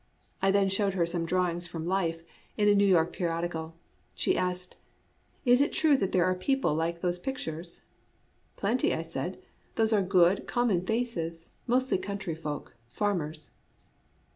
I then showed her some drawings from life, in a New York periodical. She asked, "Is it true that there are people like those pictures?" " Plenty," I said. " Those are good, com mon faces, — mostly country folk, farmers."